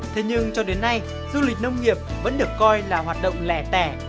thế nhưng cho đến nay du lịch nông nghiệp vẫn được coi là hoạt động lẻ tẻ